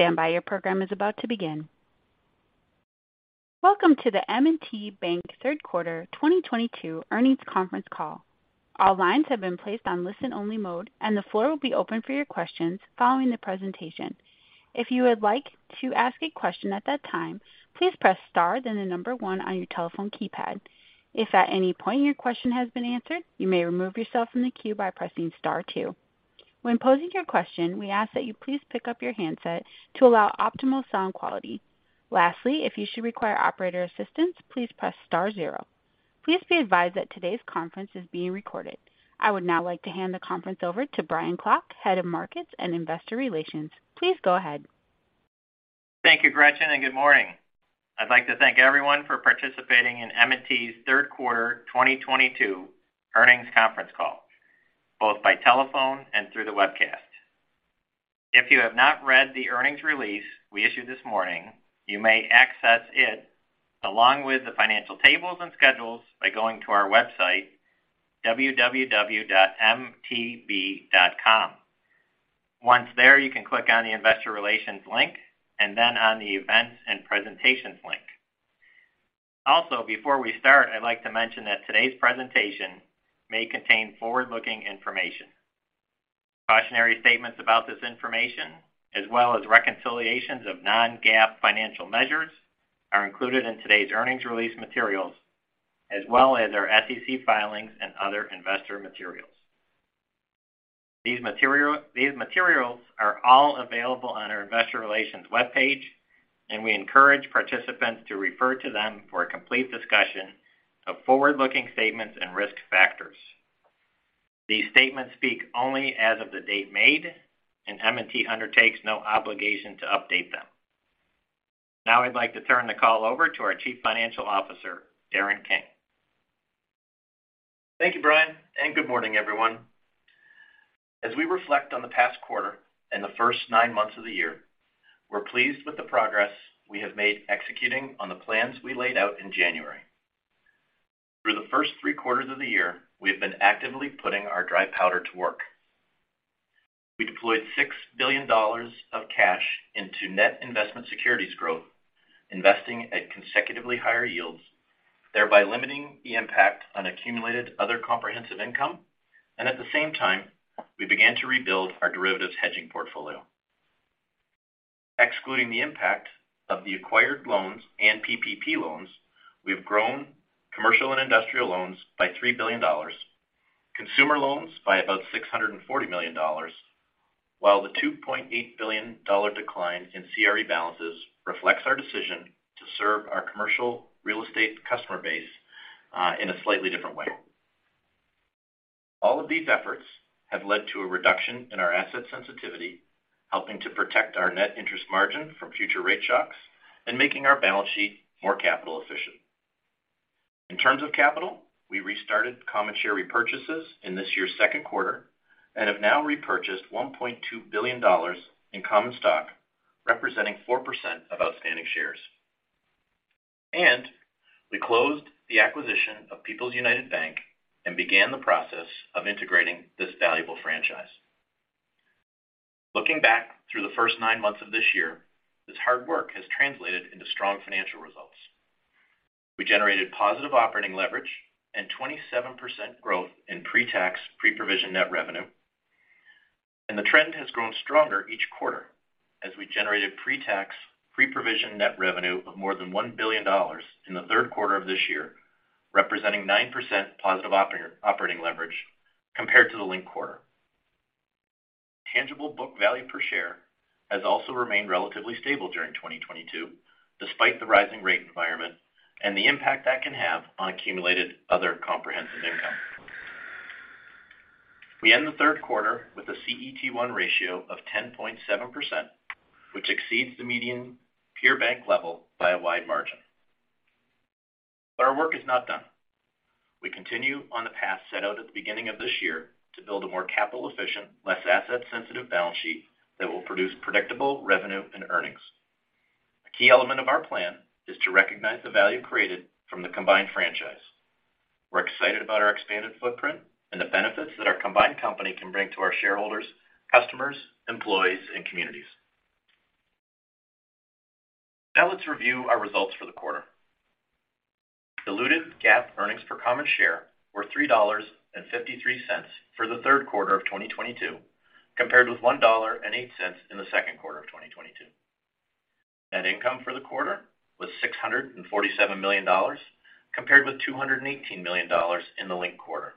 Stand by. Your program is about to begin. Welcome to the M&T Bank third quarter 2022 earnings conference call. All lines have been placed on listen-only mode, and the floor will be open for your questions following the presentation. If you would like to ask a question at that time, please press star then the number one on your telephone keypad. If at any point your question has been answered, you may remove yourself from the queue by pressing star two. When posing your question, we ask that you please pick up your handset to allow optimal sound quality. Lastly, if you should require operator assistance, please press star zero. Please be advised that today's conference is being recorded. I would now like to hand the conference over to Brian Klock, Head of Markets and Investor Relations. Please go ahead. Thank you, Gretchen, and good morning. I'd like to thank everyone for participating in M&T's third quarter 2022 earnings conference call, both by telephone and through the webcast. If you have not read the earnings release we issued this morning, you may access it along with the financial tables and schedules by going to our website www.mtb.com. Once there, you can click on the Investor Relations link and then on the Events and Presentations link. Also, before we start, I'd like to mention that today's presentation may contain forward-looking information. Cautionary statements about this information, as well as reconciliations of non-GAAP financial measures, are included in today's earnings release materials, as well as our SEC filings and other investor materials. These materials are all available on our investor relations webpage, and we encourage participants to refer to them for a complete discussion of forward-looking statements and risk factors. These statements speak only as of the date made, and M&T undertakes no obligation to update them. Now I'd like to turn the call over to our Chief Financial Officer, Darren King. Thank you, Brian, and good morning, everyone. As we reflect on the past quarter and the first nine months of the year, we're pleased with the progress we have made executing on the plans we laid out in January. Through the first three quarters of the year, we have been actively putting our dry powder to work. We deployed $6 billion of cash into net investment securities growth, investing at consecutively higher yields, thereby limiting the impact on accumulated other comprehensive income. At the same time, we began to rebuild our derivatives hedging portfolio. Excluding the impact of the acquired loans and PPP loans, we have grown commercial and industrial loans by $3 billion, consumer loans by about $640 million, while the $2.8 billion decline in CRE balances reflects our decision to serve our commercial real estate customer base in a slightly different way. All of these efforts have led to a reduction in our asset sensitivity, helping to protect our net interest margin from future rate shocks and making our balance sheet more capital efficient. In terms of capital, we restarted common share repurchases in this year's second quarter and have now repurchased $1.2 billion in common stock, representing 4% of outstanding shares. We closed the acquisition of People's United Bank and began the process of integrating this valuable franchise. Looking back through the first nine months of this year, this hard work has translated into strong financial results. We generated positive operating leverage and 27% growth in pre-tax, pre-provision net revenue. The trend has grown stronger each quarter as we generated pre-tax, pre-provision net revenue of more than $1 billion in the third quarter of this year, representing 9% positive operating leverage compared to the linked quarter. Tangible book value per share has also remained relatively stable during 2022, despite the rising rate environment and the impact that can have on accumulated other comprehensive income. We end the third quarter with a CET1 ratio of 10.7%, which exceeds the median peer bank level by a wide margin. Our work is not done. We continue on the path set out at the beginning of this year to build a more capital efficient, less asset sensitive balance sheet that will produce predictable revenue and earnings. A key element of our plan is to recognize the value created from the combined franchise. We're excited about our expanded footprint and the benefits that our combined company can bring to our shareholders, customers, employees, and communities. Now let's review our results for the quarter. Diluted GAAP earnings per common share were $3.53 for the third quarter of 2022, compared with $1.08 in the second quarter of 2022. Net income for the quarter was $647 million, compared with $218 million in the linked quarter.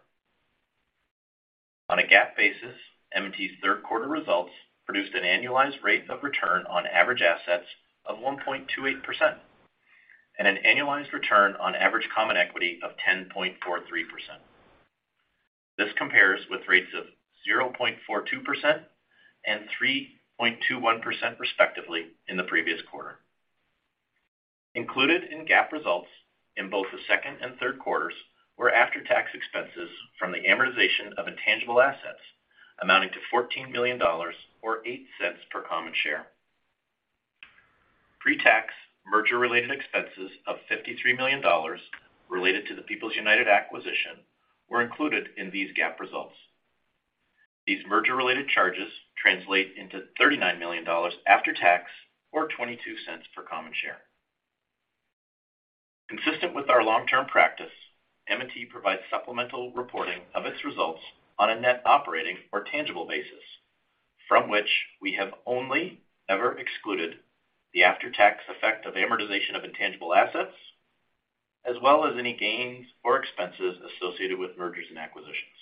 On a GAAP basis, M&T's third quarter results produced an annualized rate of return on average assets of 1.28% and an annualized return on average common equity of 10.43%. This compares with rates of 0.42% and 3.21% respectively in the previous quarter. Included in GAAP results in both the second and third quarters were after-tax expenses from the amortization of intangible assets amounting to $14 million or $0.08 per common share. Pre-tax merger related expenses of $53 million related to the People's United acquisition were included in these GAAP results. These merger-related charges translate into $39 million after tax or $0.22 per common share. Consistent with our long-term practice, M&T provides supplemental reporting of its results on a net operating or tangible basis from which we have only ever excluded the after-tax effect of amortization of intangible assets, as well as any gains or expenses associated with mergers and acquisitions.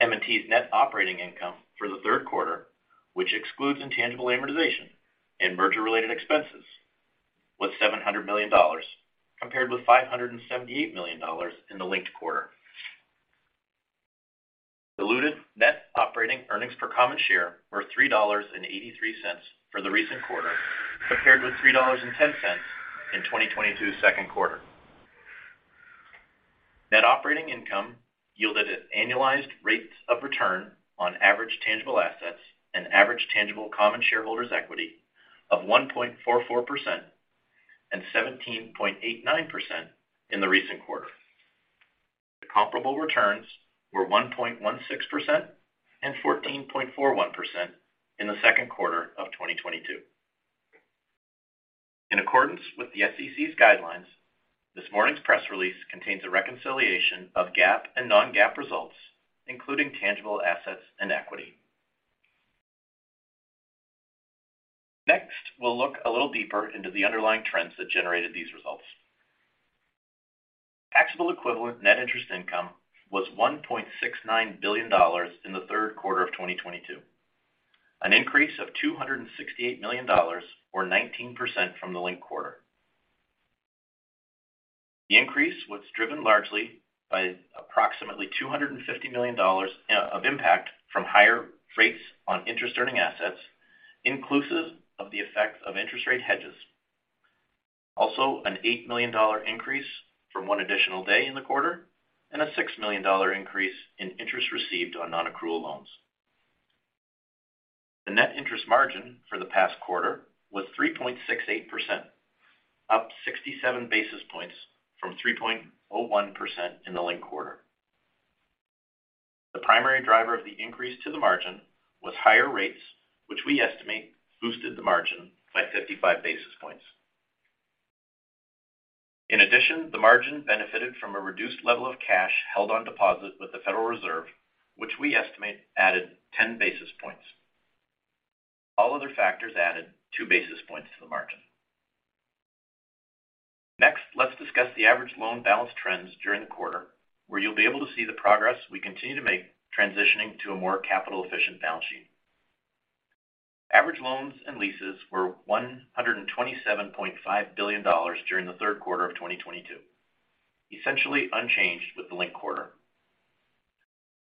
M&T's net operating income for the third quarter, which excludes intangible amortization and merger-related expenses, was $700 million, compared with $578 million in the linked quarter. Diluted net operating earnings per common share were $3.83 for the recent quarter, compared with $3.10 in 2022 second quarter. Net operating income yielded an annualized rate of return on average tangible assets and average tangible common shareholders equity of 1.44% and 17.89% in the recent quarter. The comparable returns were 1.16% and 14.41% in the second quarter of 2022. In accordance with the SEC's guidelines, this morning's press release contains a reconciliation of GAAP and non-GAAP results, including tangible assets and equity. Next, we'll look a little deeper into the underlying trends that generated these results. Taxable equivalent net interest income was $1.69 billion in the third quarter of 2022, an increase of $268 million or 19% from the linked quarter. The increase was driven largely by approximately $250 million of impact from higher rates on interest earning assets, inclusive of the effect of interest rate hedges. Also, an $8 million increase from one additional day in the quarter and a $6 million increase in interest received on non-accrual loans. The net interest margin for the past quarter was 3.68%, up 67 basis points from 3.01% in the linked quarter. The primary driver of the increase to the margin was higher rates, which we estimate boosted the margin by 55 basis points. In addition, the margin benefited from a reduced level of cash held on deposit with the Federal Reserve, which we estimate added 10 basis points. All other factors added 2 basis points to the margin. Next, let's discuss the average loan balance trends during the quarter, where you'll be able to see the progress we continue to make transitioning to a more capital efficient balance sheet. Average loans and leases were $127.5 billion during the third quarter of 2022, essentially unchanged with the linked quarter.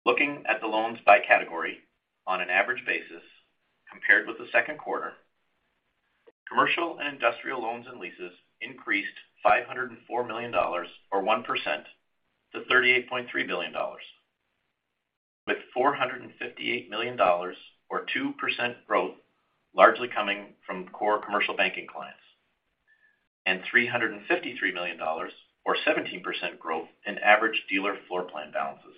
Looking at the loans by category on an average basis compared with the second quarter, commercial and industrial loans and leases increased $504 million or 1% to $38.3 billion. With $458 million or 2% growth largely coming from core commercial banking clients. $353 million or 17% growth in average dealer floorplan balances.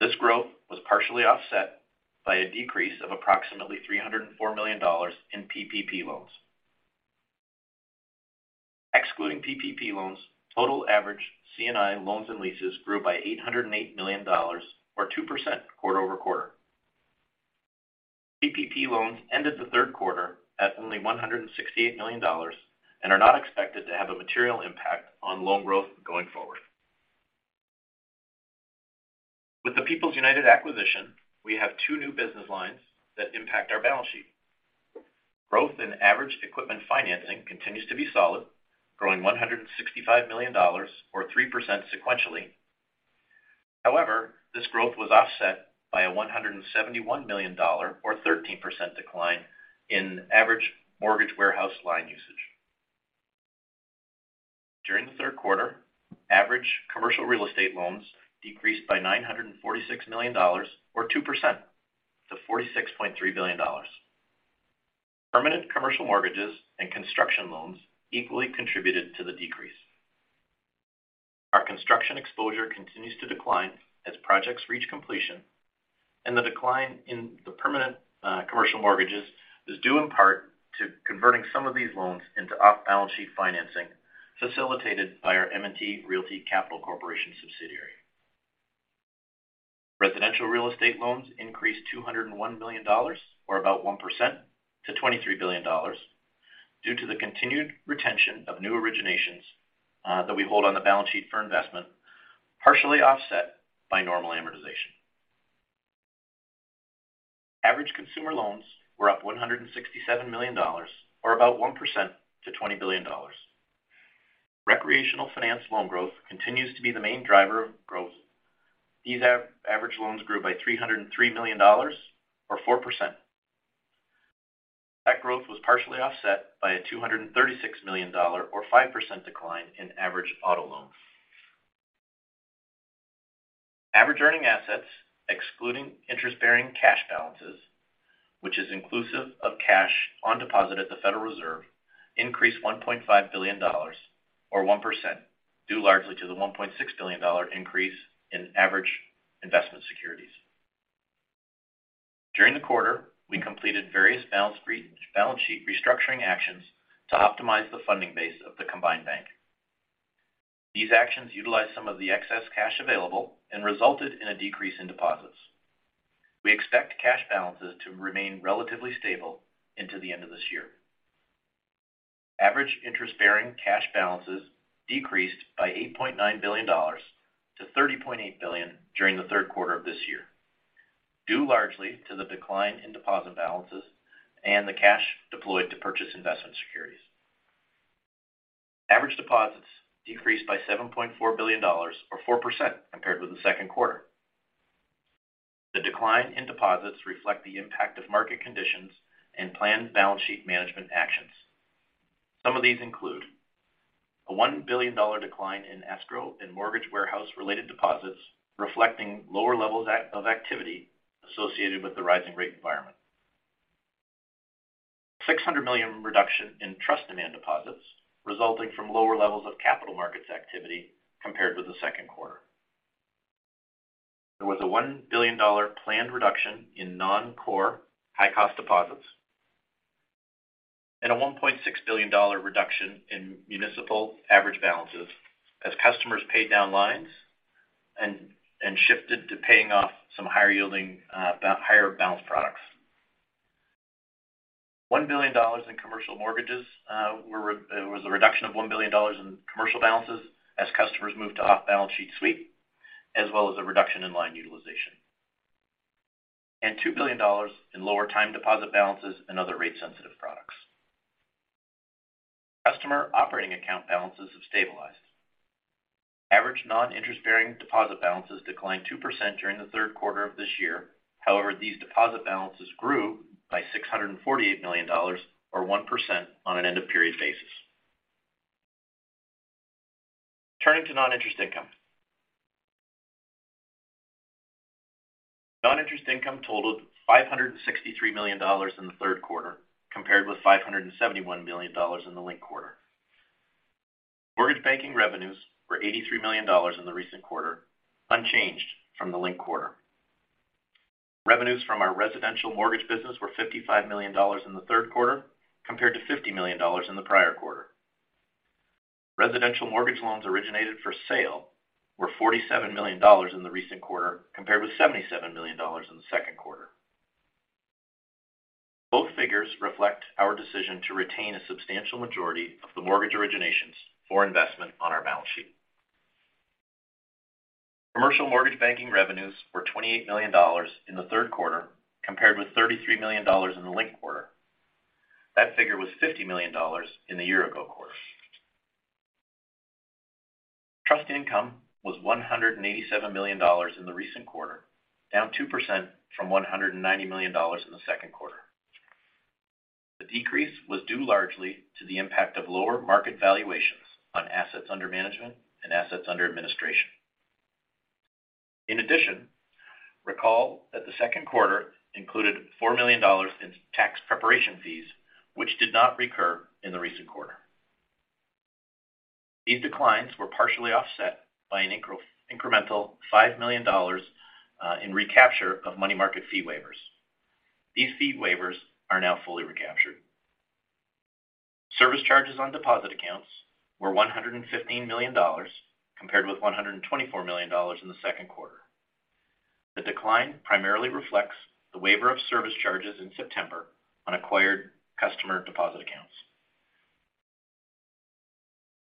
This growth was partially offset by a decrease of approximately $304 million in PPP loans. Excluding PPP loans, total average C&I loans and leases grew by $808 million or 2% quarter-over-quarter. PPP loans ended the third quarter at only $168 million and are not expected to have a material impact on loan growth going forward. With the People's United acquisition, we have two new business lines that impact our balance sheet. Growth in average equipment financing continues to be solid, growing $165 million or 3% sequentially. However, this growth was offset by a $171 million or 13% decline in average mortgage warehouse line usage. During the third quarter, average commercial real estate loans decreased by $946 million or 2% to $46.3 billion. Permanent commercial mortgages and construction loans equally contributed to the decrease. Our construction exposure continues to decline as projects reach completion, and the decline in the permanent commercial mortgages is due in part to converting some of these loans into off-balance sheet financing facilitated by our M&T Realty Capital Corporation subsidiary. Residential real estate loans increased $201 million or about 1% to $23 billion due to the continued retention of new originations that we hold on the balance sheet for investment, partially offset by normal amortization. Average consumer loans were up $167 million or about 1% to $20 billion. Recreational finance loan growth continues to be the main driver of growth. These average loans grew by $303 million or 4%. That growth was partially offset by a $236 million or 5% decline in average auto loans. Average earning assets, excluding interest-bearing cash balances, which is inclusive of cash on deposit at the Federal Reserve, increased $1.5 billion or 1%, due largely to the $1.6 billion increase in average investment securities. During the quarter, we completed various balance sheet restructuring actions to optimize the funding base of the combined bank. These actions utilized some of the excess cash available and resulted in a decrease in deposits. We expect cash balances to remain relatively stable into the end of this year. Average interest-bearing cash balances decreased by $89 billion-$30.8 billion during the third quarter of this year, due largely to the decline in deposit balances and the cash deployed to purchase investment securities. Average deposits decreased by $7.4 billion or 4% compared with the second quarter. The decline in deposits reflect the impact of market conditions and planned balance sheet management actions. Some of these include a $1 billion decline in escrow and mortgage warehouse-related deposits, reflecting lower levels of activity associated with the rising rate environment. $600 million reduction in trust demand deposits resulting from lower levels of capital markets activity compared with the second quarter. There was a $1 billion planned reduction in non-core high-cost deposits and a $1.6 billion reduction in municipal average balances as customers paid down lines and shifted to paying off some higher yielding, higher balance products. $1 billion in commercial mortgages, there was a reduction of $1 billion in commercial balances as customers moved to off-balance sheet sweep, as well as a reduction in line utilization. $2 billion in lower time deposit balances and other rate-sensitive products. Customer operating account balances have stabilized. Average non-interest-bearing deposit balances declined 2% during the third quarter of this year. However, these deposit balances grew by $648 million or 1% on an end-of-period basis. Turning to non-interest income. Non-interest income totaled $563 million in the third quarter, compared with $571 million in the linked quarter. Mortgage banking revenues were $83 million in the recent quarter, unchanged from the linked quarter. Revenues from our residential mortgage business were $55 million in the third quarter compared to $50 million in the prior quarter. Residential mortgage loans originated for sale were $47 million in the recent quarter, compared with $77 million in the second quarter. Both figures reflect our decision to retain a substantial majority of the mortgage originations for investment on our balance sheet. Commercial mortgage banking revenues were $28 million in the third quarter, compared with $33 million in the linked quarter. That figure was $50 million in the year ago quarter. Trust income was $187 million in the recent quarter, down 2% from $190 million in the second quarter. The decrease was due largely to the impact of lower market valuations on assets under management and assets under administration. In addition, recall that the second quarter included $4 million in tax preparation fees, which did not recur in the recent quarter. These declines were partially offset by an incremental $5 million in recapture of money market fee waivers. These fee waivers are now fully recaptured. Service charges on deposit accounts were $115 million, compared with $124 million in the second quarter. The decline primarily reflects the waiver of service charges in September on acquired customer deposit accounts.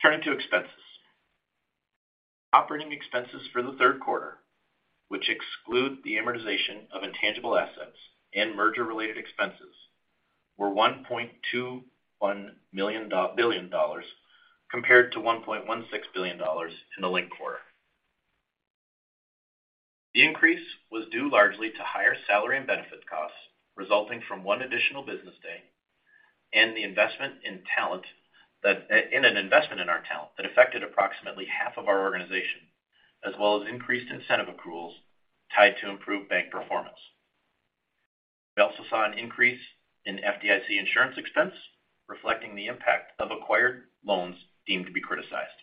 Turning to expenses. Operating expenses for the third quarter, which exclude the amortization of intangible assets and merger-related expenses, were $1.21 billion compared to $1.16 billion in the linked quarter. The increase was due largely to higher salary and benefit costs resulting from one additional business day and the investment in talent that affected approximately half of our organization, as well as increased incentive accruals tied to improved bank performance. We also saw an increase in FDIC insurance expense, reflecting the impact of acquired loans deemed to be criticized.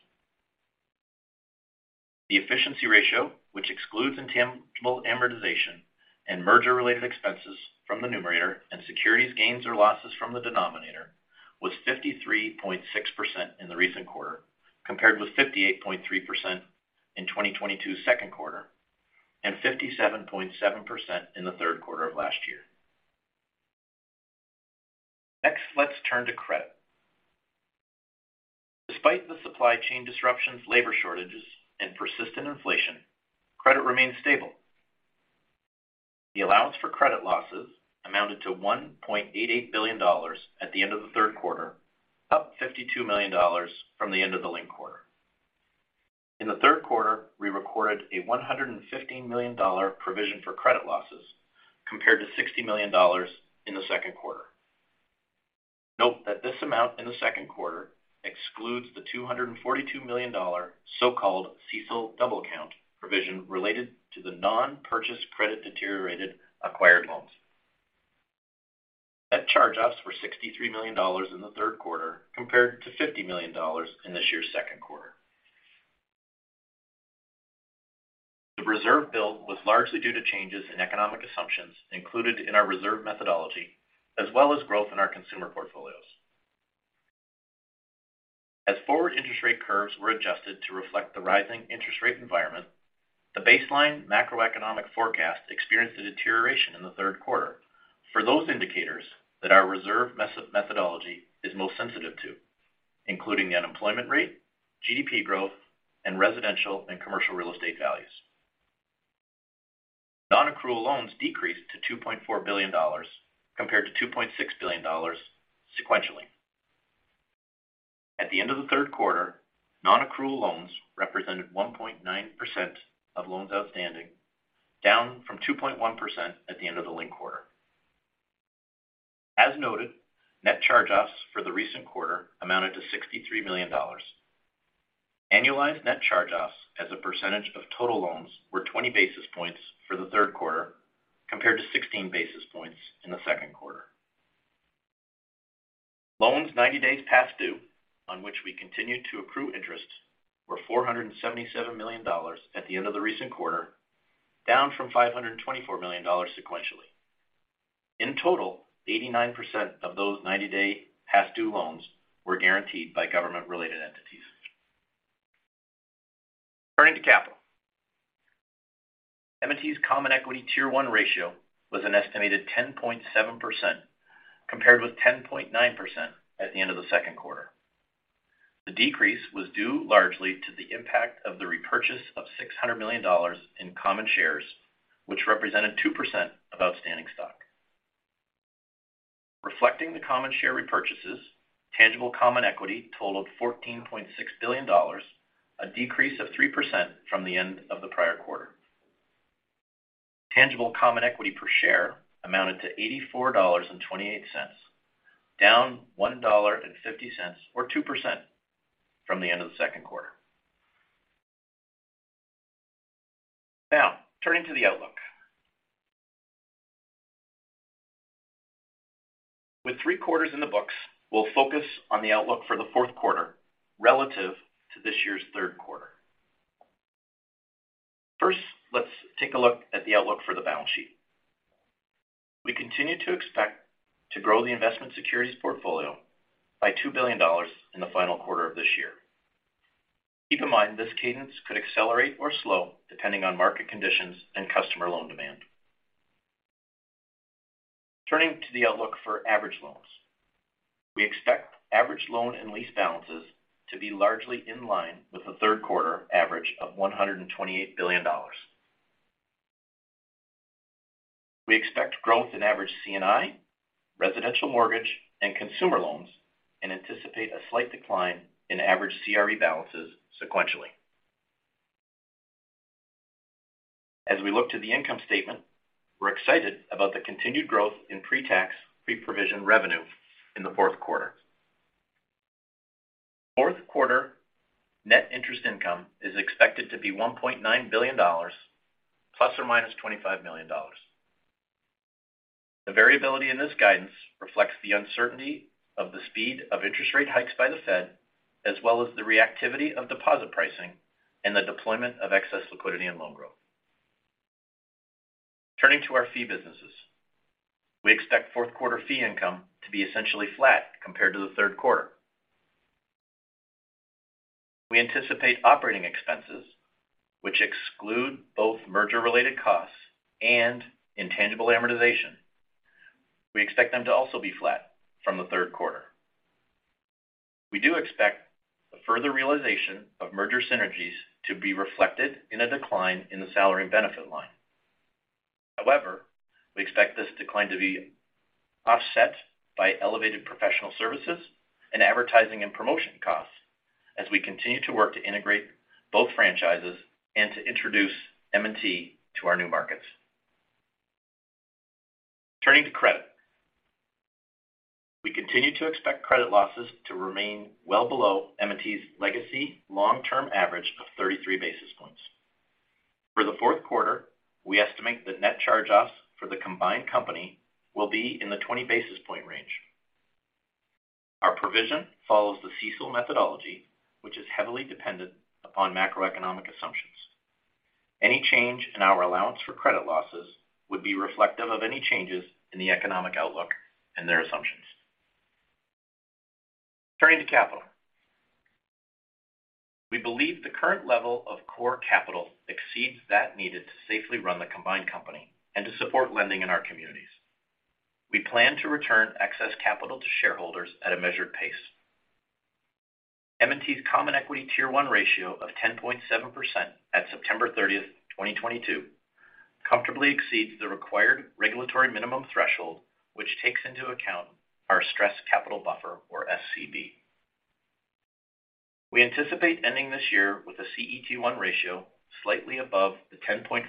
The efficiency ratio, which excludes intangible amortization and merger-related expenses from the numerator and securities gains or losses from the denominator, was 53.6% in the recent quarter, compared with 58.3% in 2022's second quarter and 57.7% in the third quarter of last year. Next, let's turn to credit. Despite the supply chain disruptions, labor shortages and persistent inflation, credit remains stable. The allowance for credit losses amounted to $1.88 billion at the end of the third quarter, up $52 million from the end of the linked quarter. In the third quarter, we recorded a $115 million provision for credit losses, compared to $60 million in the second quarter. Note that this amount in the second quarter excludes the $242 million so-called CECL double count provision related to the non-purchase credit deteriorated acquired loans. Net charge-offs were $63 million in the third quarter compared to $50 million in this year's second quarter. The reserve build was largely due to changes in economic assumptions included in our reserve methodology as well as growth in our consumer portfolios. As forward interest rate curves were adjusted to reflect the rising interest rate environment, the baseline macroeconomic forecast experienced a deterioration in the third quarter for those indicators that our reserve methodology is most sensitive to, including the unemployment rate, GDP growth, and residential and commercial real estate values. Nonaccrual loans decreased to $2.4 billion compared to $2.6 billion sequentially. At the end of the third quarter, nonaccrual loans represented 1.9% of loans outstanding, down from 2.1% at the end of the linked quarter. As noted, net charge-offs for the recent quarter amounted to $63 million. Annualized net charge-offs as a percentage of total loans were 20 basis points for the third quarter compared to 16 basis points in the second quarter. Loans ninety days past due, on which we continued to accrue interest, were $477 million at the end of the recent quarter, down from $524 million sequentially. In total, 89% of those 90-days past due loans were guaranteed by government-related entities. Turning to capital. M&T's common equity Tier 1 ratio was an estimated 10.7%, compared with 10.9% at the end of the second quarter. The decrease was due largely to the impact of the repurchase of $600 million in common shares, which represented 2% of outstanding stock. Reflecting the common share repurchases, tangible common equity totaled $14.6 billion, a decrease of 3% from the end of the prior quarter. Tangible common equity per share amounted to $84.28, down $1.50 or 2% from the end of the second quarter. Now, turning to the outlook. With 3 quarters in the books, we'll focus on the outlook for the fourth quarter relative to this year's third quarter. First, let's take a look at the outlook for the balance sheet. We continue to expect to grow the investment securities portfolio by $2 billion in the final quarter of this year. Keep in mind this cadence could accelerate or slow depending on market conditions and customer loan demand. Turning to the outlook for average loans. We expect average loan and lease balances to be largely in line with the third quarter average of $128 billion. We expect growth in average C&I, residential mortgage, and consumer loans, and anticipate a slight decline in average CRE balances sequentially. As we look to the income statement, we're excited about the continued growth in pre-tax, pre-provision revenue in the fourth quarter. Fourth quarter net interest income is expected to be $1.9 billion ±$25 million. The variability in this guidance reflects the uncertainty of the speed of interest rate hikes by the Fed, as well as the reactivity of deposit pricing and the deployment of excess liquidity and loan growth. Turning to our fee businesses. We expect fourth quarter fee income to be essentially flat compared to the third quarter. We anticipate operating expenses, which exclude both merger-related costs and intangible amortization. We expect them to also be flat from the third quarter. We do expect the further realization of merger synergies to be reflected in a decline in the salary and benefit line. However, we expect this decline to be offset by elevated professional services and advertising and promotion costs as we continue to work to integrate both franchises and to introduce M&T to our new markets. Turning to credit. We continue to expect credit losses to remain well below M&T's legacy long-term average of 33 basis points. For the fourth quarter, we estimate that net charge-offs for the combined company will be in the 20 basis point range. Our provision follows the CECL methodology, which is heavily dependent upon macroeconomic assumptions. Any change in our allowance for credit losses would be reflective of any changes in the economic outlook and their assumptions. Turning to capital. We believe the current level of core capital exceeds that needed to safely run the combined company and to support lending in our communities. We plan to return excess capital to shareholders at a measured pace. M&T's Common Equity Tier 1 ratio of 10.7% at September 30th, 2022 comfortably exceeds the required regulatory minimum threshold, which takes into account our stress capital buffer or SCB. We anticipate ending this year with a CET1 ratio slightly above the 10.5%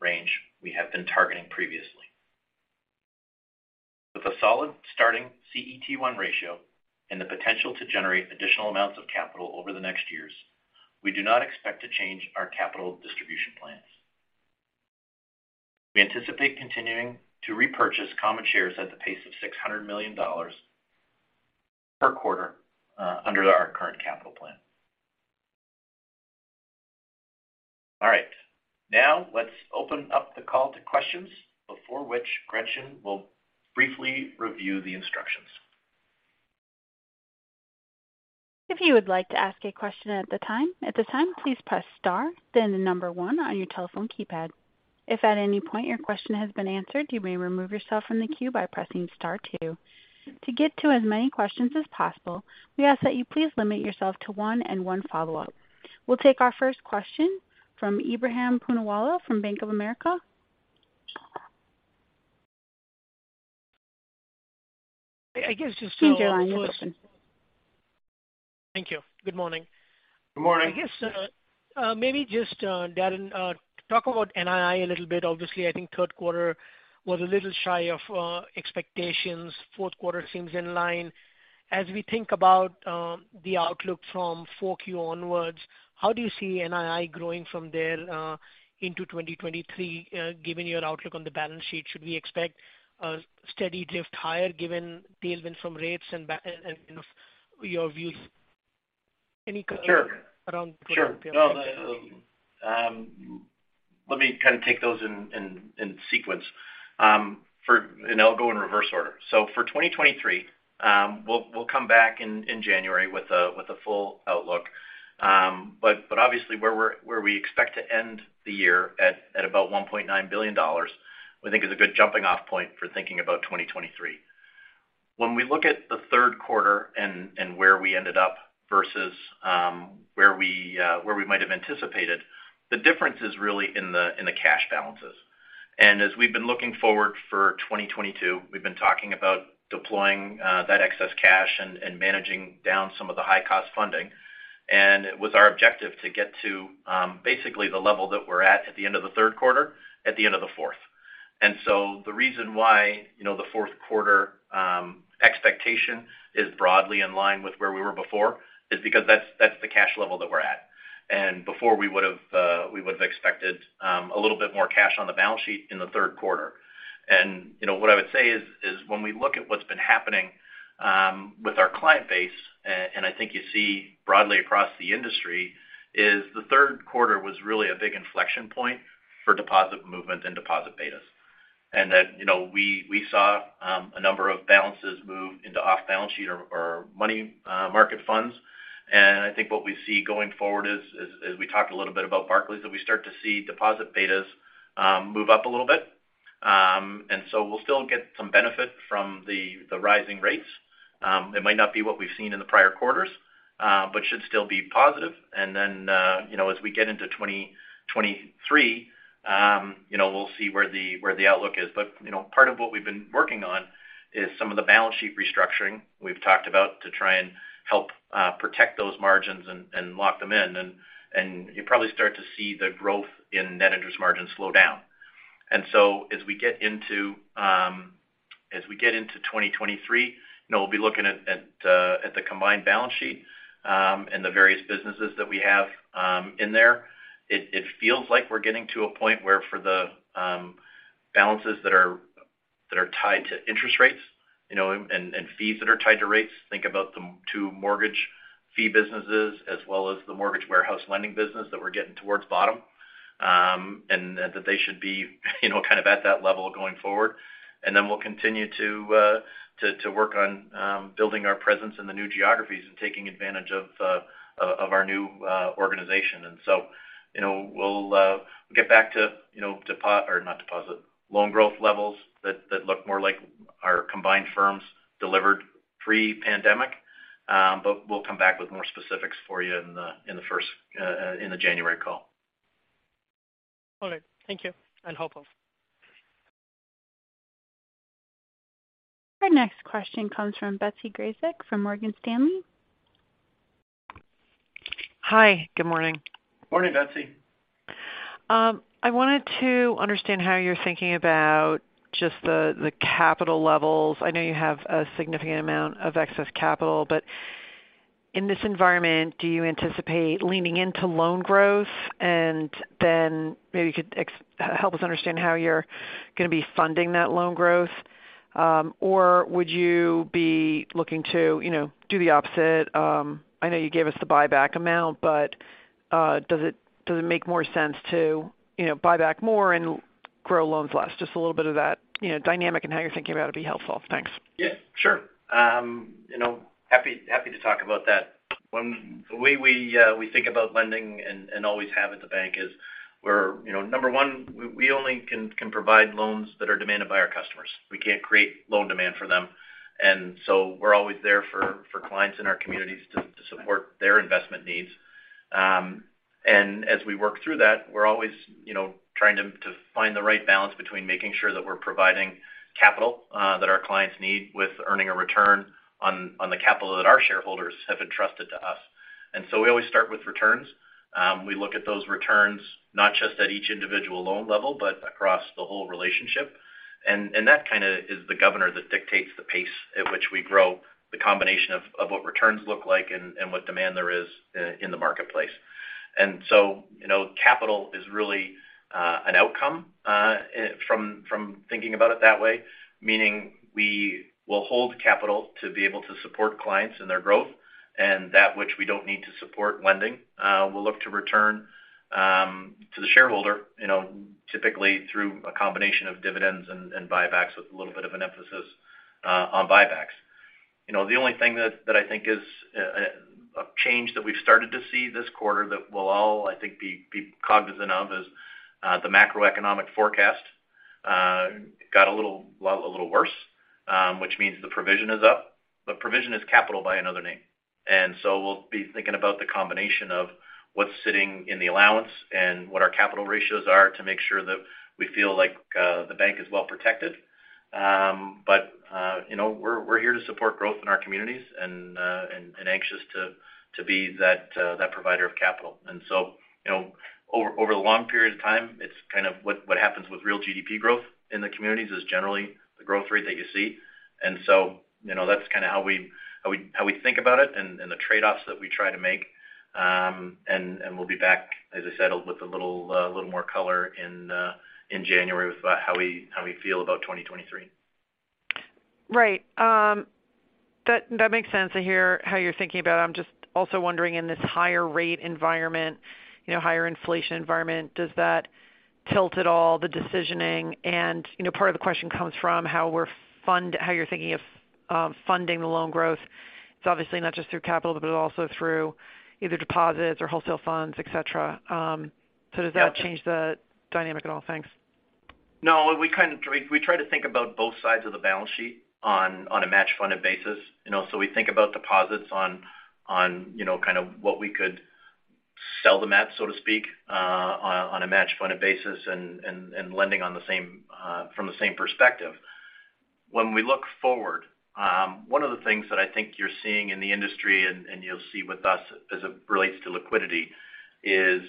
range we have been targeting previously. With a solid starting CET1 ratio and the potential to generate additional amounts of capital over the next years, we do not expect to change our capital distribution plans. We anticipate continuing to repurchase common shares at the pace of $600 million per quarter under our current capital plan. All right. Now let's open up the call to questions before which Gretchen will briefly review the instructions. If you would like to ask a question at this time, please press star, then the number one on your telephone keypad. If at any point your question has been answered, you may remove yourself from the queue by pressing star two. To get to as many questions as possible, we ask that you please limit yourself to one and one follow-up. We'll take our first question from Ebrahim Poonawala from Bank of America. I guess just to Please go on with your question. Thank you. Good morning. Good morning. I guess, maybe just, Darren, talk about NII a little bit. Obviously, I think third quarter was a little shy of expectations. Fourth quarter seems in line. As we think about the outlook from Q4 onwards, how do you see NII growing from there into 2023, given your outlook on the balance sheet? Should we expect a steady drift higher given tailwind from rates and your views? Any color? Sure -around Sure. No, let me kind of take those in sequence and I'll go in reverse order. For 2023, we'll come back in January with a full outlook. But obviously where we expect to end the year at about $1.9 billion, we think is a good jumping off point for thinking about 2023. When we look at the third quarter and where we ended up versus where we might have anticipated, the difference is really in the cash balances. As we've been looking forward for 2022, we've been talking about deploying that excess cash and managing down some of the high cost funding. It was our objective to get to basically the level that we're at at the end of the third quarter at the end of the fourth. The reason why, you know, the fourth quarter expectation is broadly in line with where we were before is because that's the cash level that we're at. Before we would've expected a little bit more cash on the balance sheet in the third quarter. What I would say is when we look at what's been happening with our client base, and I think you see broadly across the industry, is the third quarter was really a big inflection point for deposit movement and deposit betas. That, you know, we saw a number of balances move into off balance sheet or money market funds. I think what we see going forward is we talked a little bit about Barclays, that we start to see deposit betas move up a little bit. We'll still get some benefit from the rising rates. It might not be what we've seen in the prior quarters, but should still be positive. You know, as we get into 2023, you know, we'll see where the outlook is. You know, part of what we've been working on is some of the balance sheet restructuring we've talked about to try and help protect those margins and lock them in. You probably start to see the growth in net interest margins slow down. As we get into 2023, you know, we'll be looking at the combined balance sheet and the various businesses that we have in there. It feels like we're getting to a point where for the balances that are tied to interest rates, you know, and fees that are tied to rates, think about the two mortgage fee businesses as well as the mortgage warehouse lending business that we're getting towards bottom. That they should be, you know, kind of at that level going forward. We'll continue to work on building our presence in the new geographies and taking advantage of our new organization. You know, we'll get back to, you know, loan growth levels that look more like our combined firms delivered pre-pandemic. We'll come back with more specifics for you in the first January call. All right. Thank you. Helpful. Our next question comes from Betsy Graseck from Morgan Stanley. Hi. Good morning. Morning, Betsy. I wanted to understand how you're thinking about just the capital levels. I know you have a significant amount of excess capital, but in this environment, do you anticipate leaning into loan growth? Then maybe you could help us understand how you're going to be funding that loan growth. Or would you be looking to, you know, do the opposite? I know you gave us the buyback amount, but does it make more sense to, you know, buy back more and grow loans less? Just a little bit of that, you know, dynamic and how you're thinking about it would be helpful. Thanks. Yeah, sure. You know, happy to talk about that. The way we think about lending and always have at the bank is we're number one, we only can provide loans that are demanded by our customers. We can't create loan demand for them. We're always there for clients in our communities to support their investment needs. As we work through that, we're always trying to find the right balance between making sure that we're providing capital that our clients need with earning a return on the capital that our shareholders have entrusted to us. We always start with returns. We look at those returns not just at each individual loan level, but across the whole relationship. That kind of is the governor that dictates the pace at which we grow the combination of what returns look like and what demand there is in the marketplace. You know, capital is really an outcome from thinking about it that way, meaning we will hold capital to be able to support clients in their growth and that which we don't need to support lending, we'll look to return to the shareholder, you know, typically through a combination of dividends and buybacks with a little bit of an emphasis on buybacks. You know, the only thing that I think is a change that we've started to see this quarter that we'll all, I think, be cognizant of is the macroeconomic forecast got a little worse, well, a little worse, which means the provision is up. Provision is capital by another name. We'll be thinking about the combination of what's sitting in the allowance and what our capital ratios are to make sure that we feel like the bank is well protected. You know, we're here to support growth in our communities and anxious to be that provider of capital. You know, over the long period of time, it's kind of what happens with real GDP growth in the communities is generally the growth rate that you see. You know, that's kind of how we think about it and the trade-offs that we try to make. We'll be back, as I said, with a little more color in January with how we feel about 2023. Right. That makes sense. I hear how you're thinking about it. I'm just also wondering in this higher rate environment, you know, higher inflation environment, does that tilt at all the decisioning? You know, part of the question comes from how you're thinking of funding the loan growth. It's obviously not just through capital, but also through either deposits or wholesale funds, et cetera. Does that change the dynamic at all? Thanks. No. We try to think about both sides of the balance sheet on a match-funded basis. You know, so we think about deposits on you know, kind of what we could sell them at, so to speak, on a match-funded basis and lending on the same from the same perspective. When we look forward, one of the things that I think you're seeing in the industry and you'll see with us as it relates to liquidity is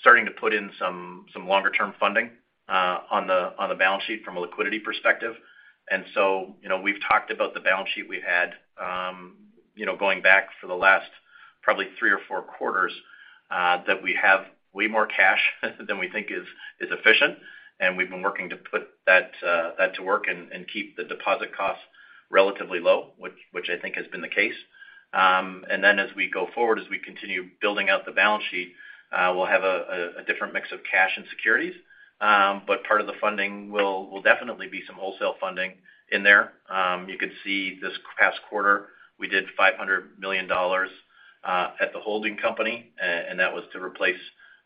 starting to put in some longer-term funding on the balance sheet from a liquidity perspective. You know, we've talked about the balance sheet we had you know, going back for the last probably three or four quarters that we have way more cash than we think is efficient. We've been working to put that to work and keep the deposit costs relatively low, which I think has been the case. As we go forward, as we continue building out the balance sheet, we'll have a different mix of cash and securities. But part of the funding will definitely be some wholesale funding in there. You could see this past quarter, we did $500 million at the holding company. That was to replace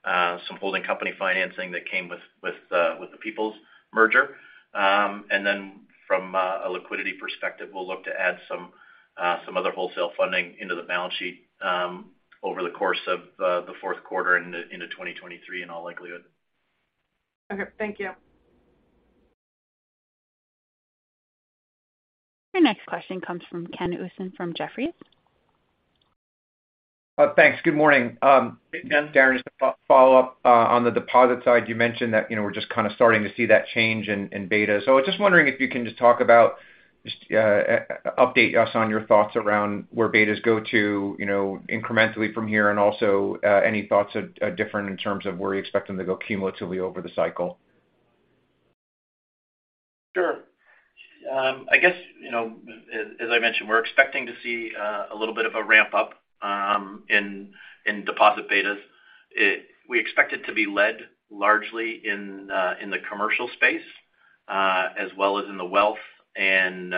some holding company financing that came with the People's United merger. From a liquidity perspective, we'll look to add some other wholesale funding into the balance sheet over the course of the fourth quarter into 2023 in all likelihood. Okay. Thank you. Your next question comes from Ken Usdin from Jefferies. Thanks. Good morning. Hey, Ken. Darren, just a follow-up on the deposit side. You mentioned that, you know, we're just kind of starting to see that change in beta. I was just wondering if you can just update us on your thoughts around where betas go to, you know, incrementally from here, and also any thoughts different in terms of where you expect them to go cumulatively over the cycle. Sure. I guess, you know, as I mentioned, we're expecting to see a little bit of a ramp-up in deposit betas. We expect it to be led largely in the commercial space, as well as in the wealth and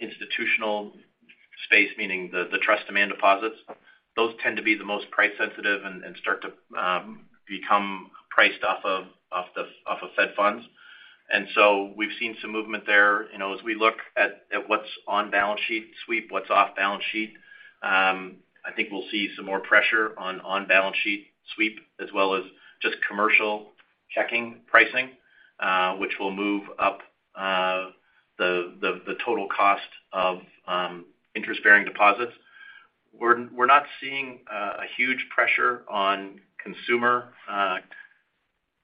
institutional space, meaning the trust demand deposits. Those tend to be the most price sensitive and start to become priced off of Fed funds. We've seen some movement there. You know, as we look at what's on-balance-sheet sweep, what's off-balance-sheet, I think we'll see some more pressure on on-balance-sheet sweep, as well as just commercial checking pricing, which will move up the total cost of interest-bearing deposits. We're not seeing a huge pressure on consumer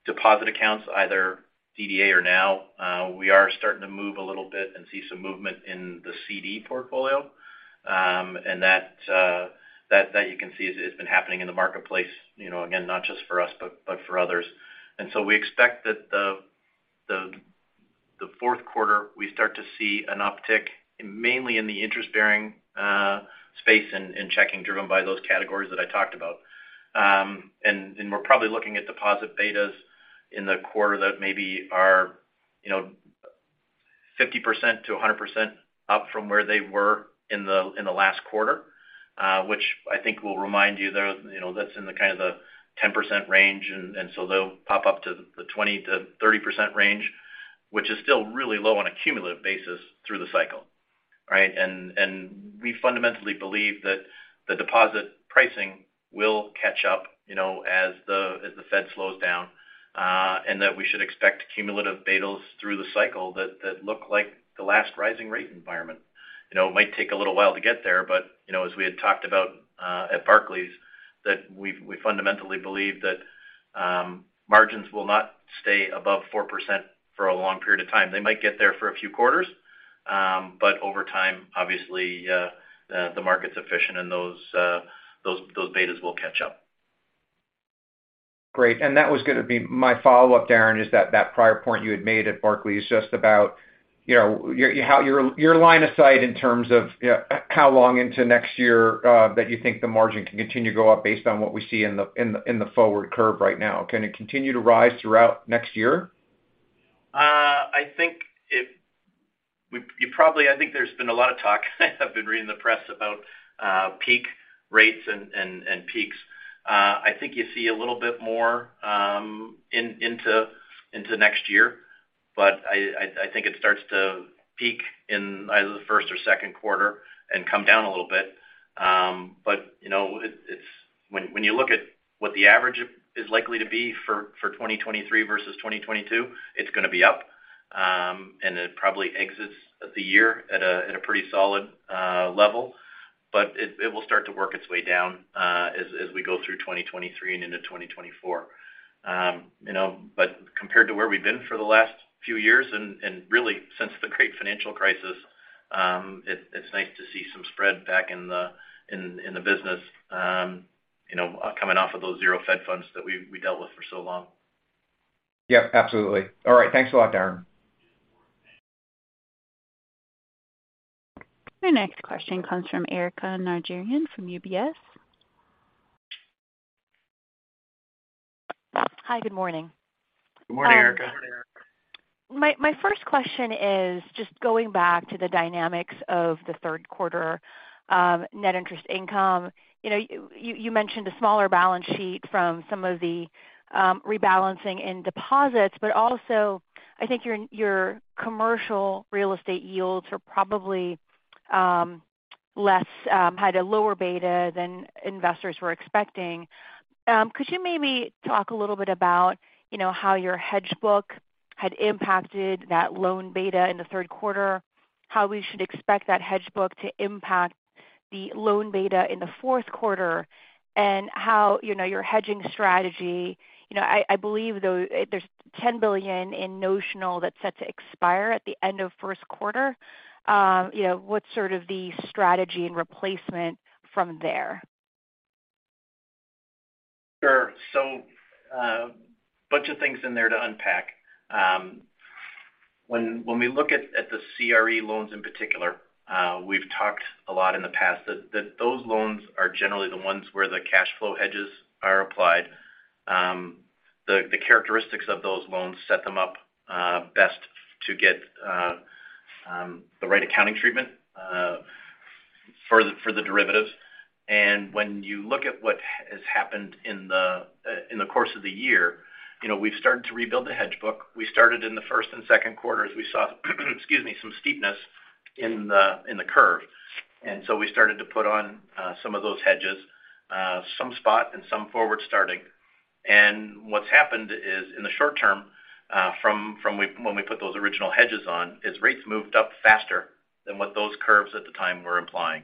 deposit accounts, either DDA or NOW. We are starting to move a little bit and see some movement in the CD portfolio. That you can see has been happening in the marketplace, you know, again, not just for us, but for others. We expect that the fourth quarter, we start to see an uptick mainly in the interest-bearing space in checking, driven by those categories that I talked about. We're probably looking at deposit betas in the quarter that maybe are, you know, 50%-100% up from where they were in the last quarter, which I think will remind you though, you know, that's in the kind of the 10% range. They'll pop up to the 20%-30% range, which is still really low on a cumulative basis through the cycle. Right. We fundamentally believe that the deposit pricing will catch up, you know, as the Fed slows down, and that we should expect cumulative betas through the cycle that look like the last rising rate environment. You know, it might take a little while to get there but, you know, as we had talked about, at Barclays, that we fundamentally believe that margins will not stay above 4% for a long period of time. They might get there for a few quarters, but over time, obviously, the market's efficient and those betas will catch up. Great. That was gonna be my follow-up, Darren, is that prior point you had made at Barclays just about, you know, your line of sight in terms of, you know, how long into next year that you think the margin can continue to go up based on what we see in the forward curve right now. Can it continue to rise throughout next year? I think there's been a lot of talk. I've been reading the press about peak rates and peaks. I think you see a little bit more into next year. I think it starts to peak in either the first or second quarter and come down a little bit. You know, when you look at what the average is likely to be for 2023 versus 2022, it's gonna be up, and it probably exits the year at a pretty solid level. It will start to work its way down as we go through 2023 and into 2024. You know, compared to where we've been for the last few years and really since the great financial crisis, it's nice to see some spread back in the business, you know, coming off of those zero Fed funds that we dealt with for so long. Yep, absolutely. All right. Thanks a lot, Darren. Our next question comes from Erika Najarian from UBS. Hi. Good morning. Good morning, Erika. My first question is just going back to the dynamics of the third quarter, net interest income. You know, you mentioned a smaller balance sheet from some of the rebalancing in deposits, but also I think your commercial real estate yields are probably less had a lower beta than investors were expecting. Could you maybe talk a little bit about, you know, how your hedge book had impacted that loan beta in the third quarter, how we should expect that hedge book to impact the loan beta in the fourth quarter, and how, you know, your hedging strategy? You know, I believe though there's $10 billion in notional that's set to expire at the end of first quarter. You know, what's sort of the strategy and replacement from there? Sure. Bunch of things in there to unpack. When we look at the CRE loans in particular, we've talked a lot in the past that those loans are generally the ones where the cash flow hedges are applied. The characteristics of those loans set them up best to get the right accounting treatment for the derivatives. When you look at what has happened in the course of the year, you know, we've started to rebuild the hedge book. We started in the first and second quarters. We saw some steepness in the curve. We started to put on some of those hedges, some spot and some forward starting. What's happened is, in the short term, when we put those original hedges on, rates moved up faster than what those curves at the time were implying.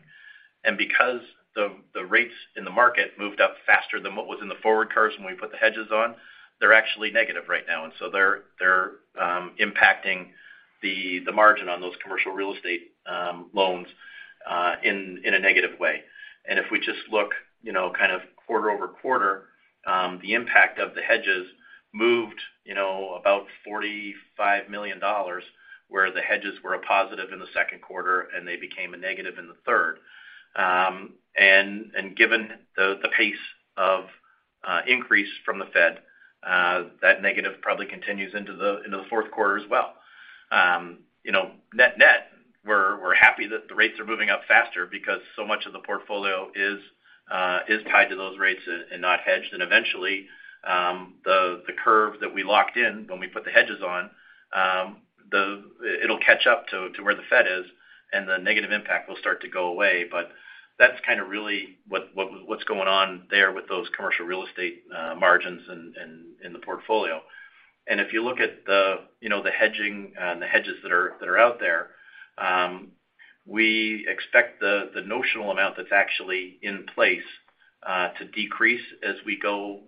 Because the rates in the market moved up faster than what was in the forward curves when we put the hedges on, they're actually negative right now. They're impacting the margin on those commercial real estate loans in a negative way. If we just look, you know, kind of quarter-over-quarter, the impact of the hedges moved, you know, about $45 million, where the hedges were a positive in the second quarter, and they became a negative in the third. Given the pace of increase from the Fed, that negative probably continues into the fourth quarter as well. You know, net-net, we're happy that the rates are moving up faster because so much of the portfolio is tied to those rates and not hedged. Eventually, the curve that we locked in when we put the hedges on, it'll catch up to where the Fed is, and the negative impact will start to go away. That's kind of really what's going on there with those commercial real estate margins in the portfolio. If you look at the, you know, the hedging and the hedges that are out there, we expect the notional amount that's actually in place to decrease as we go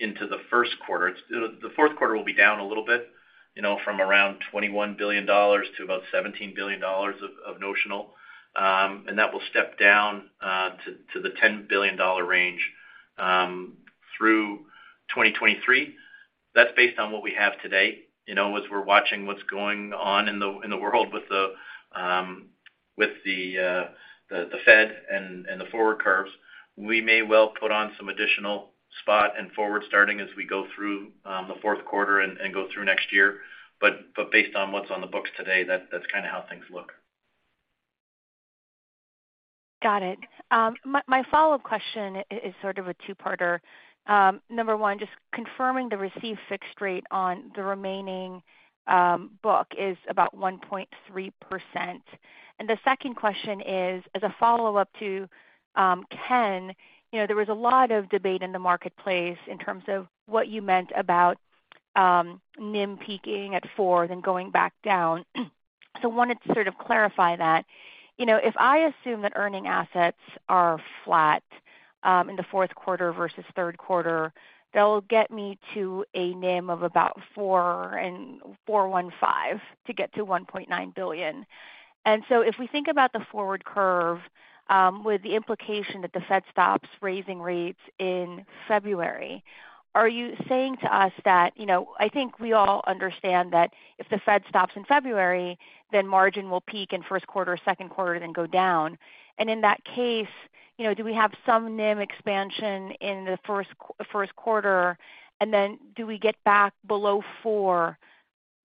into the first quarter. The fourth quarter will be down a little bit, you know, from around $21 billion to about $17 billion of notional. And that will step down to the $10 billion range through 2023. That's based on what we have today. You know, as we're watching what's going on in the world with the Fed and the forward curves, we may well put on some additional spot and forward starting as we go through the fourth quarter and go through next year. Based on what's on the books today, that's kind of how things look. Got it. My follow-up question is sort of a two-parter. Number one, just confirming the received fixed rate on the remaining book is about 1.3%. The second question is as a follow-up to Ken, you know, there was a lot of debate in the marketplace in terms of what you meant about NIM peaking at 4% then going back down. Wanted to sort of clarify that. You know, if I assume that earning assets are flat in the fourth quarter versus third quarter, that'll get me to a NIM of about 4% and 4.15% to get to $1.9 billion. If we think about the forward curve, with the implication that the Fed stops raising rates in February, are you saying to us that, you know, I think we all understand that if the Fed stops in February, then margin will peak in first quarter, second quarter, then go down. In that case, you know, do we have some NIM expansion in the first quarter, and then do we get back below 4%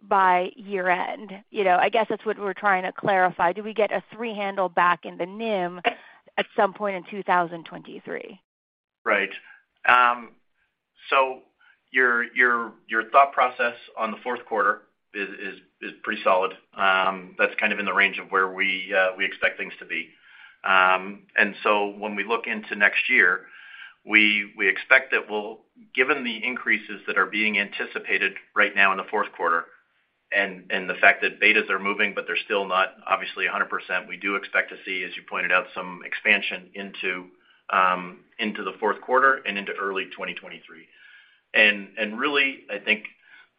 by year-end? You know, I guess that's what we're trying to clarify. Do we get a 3% handle back in the NIM at some point in 2023? Right. Your thought process on the fourth quarter is pretty solid. That's kind of in the range of where we expect things to be. When we look into next year, we expect that we'll, given the increases that are being anticipated right now in the fourth quarter and the fact that betas are moving, but they're still not obviously 100%, we do expect to see, as you pointed out, some expansion into the fourth quarter and into early 2023. Really, I think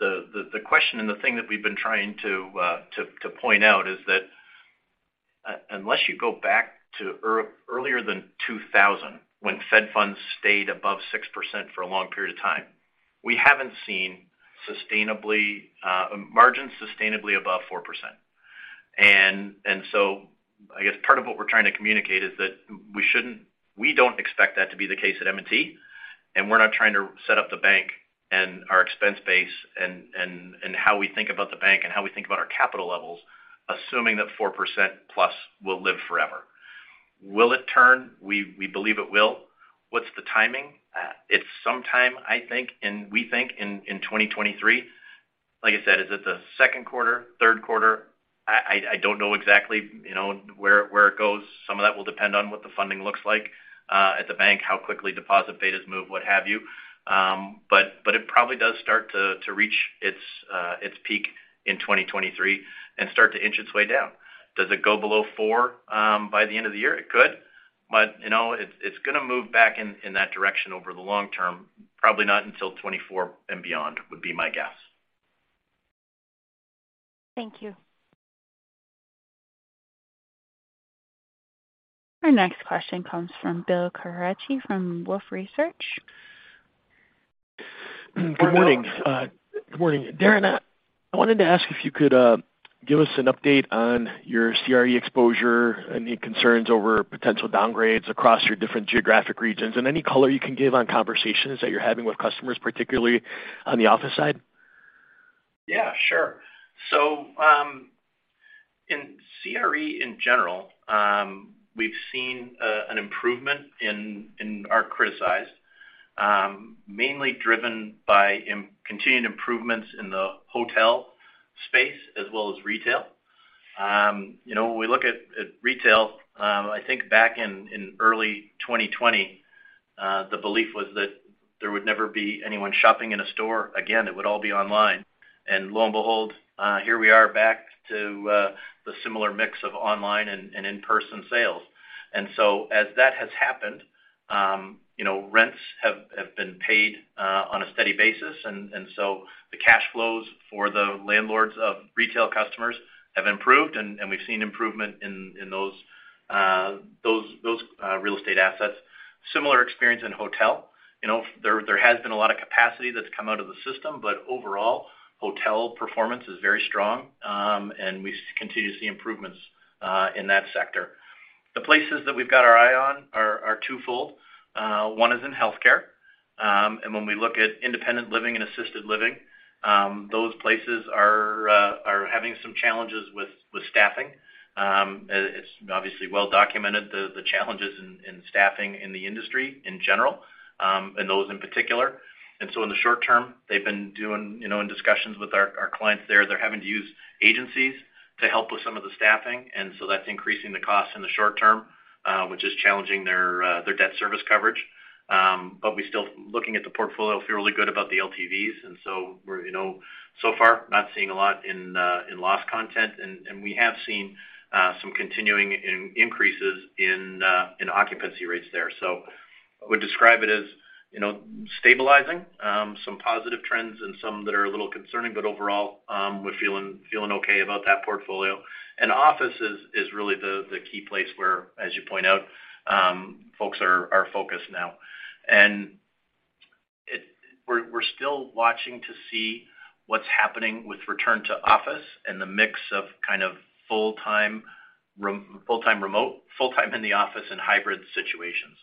the question and the thing that we've been trying to point out is that unless you go back to earlier than 2000 when Fed funds stayed above 6% for a long period of time, we haven't seen sustainably margins sustainably above 4%. I guess part of what we're trying to communicate is that we don't expect that to be the case at M&T, and we're not trying to set up the bank and our expense base and how we think about the bank and how we think about our capital levels, assuming that 4%+ will live forever. Will it turn? We believe it will. What's the timing? It's sometime, I think, and we think in 2023. Like I said, is it the second quarter, third quarter? I don't know exactly, you know, where it goes. Some of that will depend on what the funding looks like at the bank, how quickly deposit betas move, what have you. It probably does start to reach its peak in 2023 and start to inch its way down. Does it go below 4% by the end of the year? It could. You know, it's gonna move back in that direction over the long term, probably not until 2024 and beyond, would be my guess. Thank you. Our next question comes from Bill Carcache from Wolfe Research. Good morning. Go ahead, Bill. Good morning. Darren, I wanted to ask if you could give us an update on your CRE exposure, any concerns over potential downgrades across your different geographic regions, and any color you can give on conversations that you're having with customers, particularly on the office side. Yeah, sure. In CRE in general, we've seen an improvement in our criticized, mainly driven by continued improvements in the hotel space as well as retail. You know, when we look at retail, I think back in early 2020, the belief was that there would never be anyone shopping in a store again, it would all be online. Lo and behold, here we are back to the similar mix of online and in-person sales. As that has happened, rents have been paid on a steady basis. The cash flows for the landlords of retail customers have improved, and we've seen improvement in those real estate assets. Similar experience in hotel. There has been a lot of capacity that's come out of the system, but overall, hotel performance is very strong, and we continue to see improvements in that sector. The places that we've got our eye on are twofold. One is in healthcare. When we look at independent living and assisted living, those places are having some challenges with staffing. It's obviously well documented, the challenges in staffing in the industry in general, and those in particular. In the short term, they've been doing, you know, in discussions with our clients there, they're having to use agencies to help with some of the staffing. In the short term, that's increasing the cost, which is challenging their debt service coverage. We're still looking at the portfolio, feel really good about the LTVs. We're, you know, so far not seeing a lot in loss content. We have seen some continuing increases in occupancy rates there. I would describe it as, you know, stabilizing, some positive trends and some that are a little concerning. Overall, we're feeling okay about that portfolio. Office is really the key place where, as you point out, folks are focused now. We're still watching to see what's happening with return to office and the mix of kind of full-time remote, full-time in the office and hybrid situations.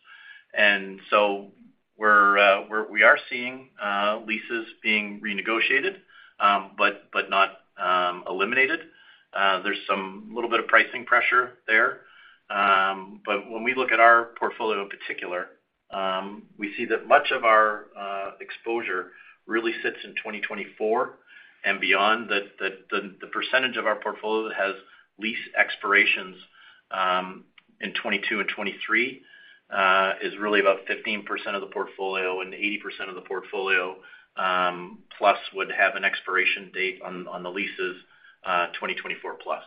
We're seeing leases being renegotiated, but no elimination. There's some little bit of pricing pressure there. But when we look at our portfolio in particular, we see that much of our exposure really sits in 2024 and beyond, that the percentage of our portfolio that has lease expirations in 2022 and 2023 is really about 15% of the portfolio, and 80% of the portfolio plus would have an expiration date on the leases, 2024 plus.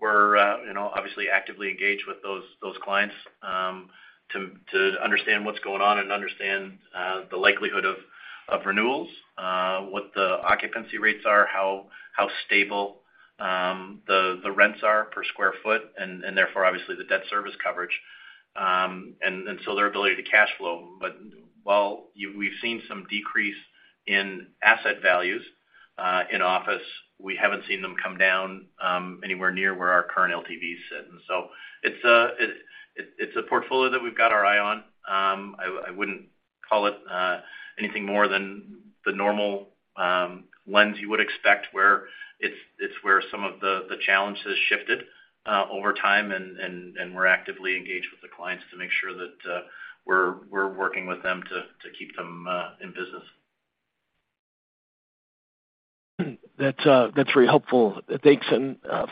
We're, you know, obviously actively engaged with those clients to understand what's going on and understand the likelihood of renewals, what the occupancy rates are, how stable the rents are per square foot, and therefore obviously the debt service coverage and so their ability to cash flow. But while we've seen some decrease in asset values in office, we haven't seen them come down anywhere near where our current LTVs sit. It's a portfolio that we've got our eye on. I wouldn't call it anything more than the normal lens you would expect where some of the challenges shifted over time, and we're actively engaged with the clients to make sure that we're working with them to keep them in business. That's very helpful. Thanks.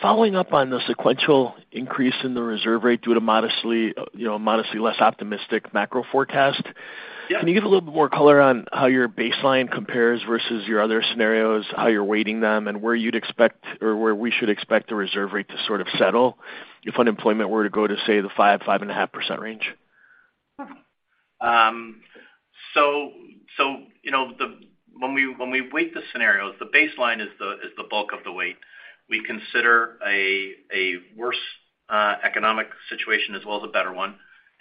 Following up on the sequential increase in the reserve rate due to modestly, you know, modestly less optimistic macro forecast. Yeah. Can you give a little bit more color on how your baseline compares versus your other scenarios, how you're weighting them, and where you'd expect or where we should expect the reserve rate to sort of settle if unemployment were to go to, say, the 5%-5.5% range? You know, when we weight the scenarios, the baseline is the bulk of the weight. We consider a worse economic situation as well as a better one.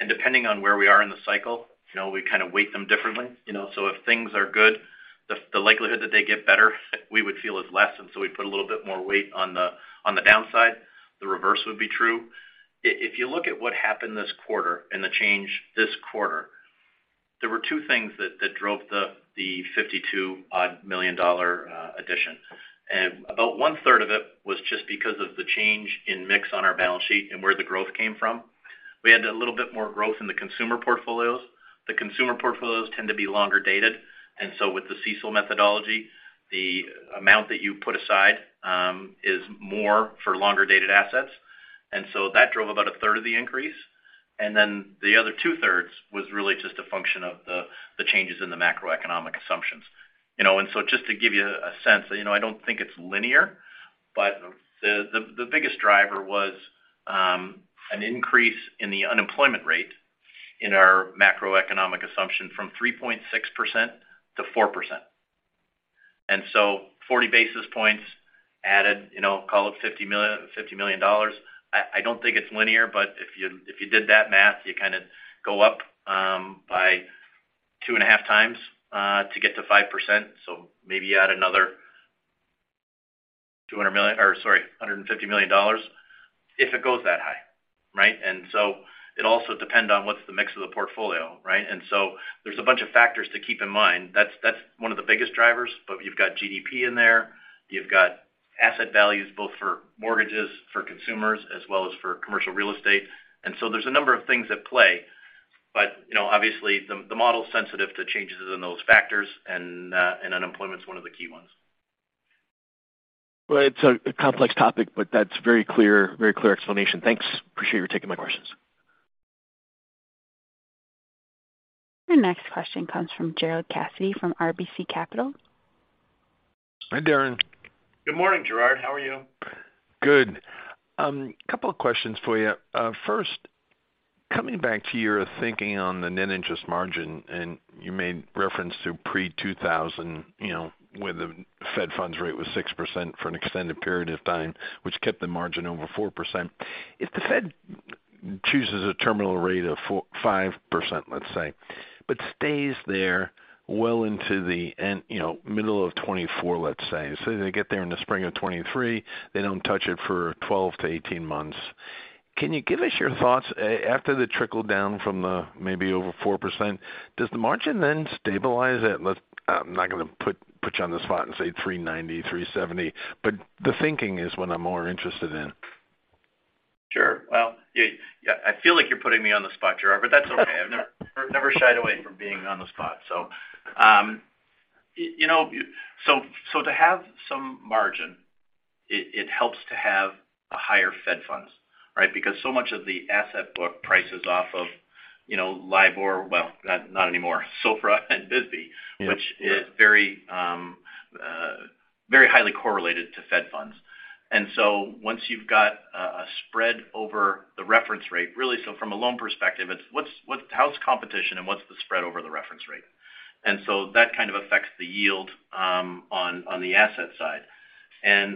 Depending on where we are in the cycle, you know, we kind of weight them differently. You know, if things are good, the likelihood that they get better we would feel is less, and so we'd put a little bit more weight on the downside. The reverse would be true. If you look at what happened this quarter and the change this quarter, there were two things that drove the $52 million addition. About 1/3 of it was just because of the change in mix on our balance sheet and where the growth came from. We had a little bit more growth in the consumer portfolios. The consumer portfolios tend to be longer dated. With the CECL methodology, the amount that you put aside is more for longer dated assets. That drove about a third of the increase. The other two-thirds was really just a function of the changes in the macroeconomic assumptions. You know, just to give you a sense, you know, I don't think it's linear, but the biggest driver was an increase in the unemployment rate in our macroeconomic assumption from 3.6% to 4%. Forty basis points added, you know, call it $50 million. I don't think it's linear, but if you did that math, you kind of go up by 2.5x to get to 5%. Maybe add another $150 million if it goes that high, right? It also depend on what's the mix of the portfolio, right? There's a bunch of factors to keep in mind. That's one of the biggest drivers. You've got GDP in there. You've got asset values both for mortgages, for consumers, as well as for commercial real estate. There's a number of things at play. You know, obviously, the model's sensitive to changes in those factors and unemployment's one of the key ones. Well, it's a complex topic, but that's very clear explanation. Thanks. Appreciate you taking my questions. Our next question comes from Gerard Cassidy from RBC Capital Markets. Hi, Darren. Good morning, Gerard. How are you? Good. Couple of questions for you. First, coming back to your thinking on the net interest margin, and you made reference to pre-2000, you know, where the Fed funds rate was 6% for an extended period of time, which kept the margin over 4%. If the Fed chooses a terminal rate of 4%-5%, let's say, but stays there well into the end, you know, middle of 2024, let's say. They get there in the spring of 2023. They don't touch it for 12-18 months. Can you give us your thoughts after the trickle down from the maybe over 4%, does the margin then stabilize at, let's. I'm not gonna put you on the spot and say $3.90, $3.70, but the thinking is what I'm more interested in. Sure. Well, yeah, I feel like you're putting me on the spot, Gerard, but that's okay. I've never shied away from being on the spot. You know, to have some margin, it helps to have a higher Fed funds, right? Because so much of the asset book prices off of LIBOR, well, not anymore, SOFR and BSBY. Yeah. Which is very highly correlated to Fed funds. Once you've got a spread over the reference rate, really so from a loan perspective, it's how's competition and what's the spread over the reference rate? That kind of affects the yield on the asset side.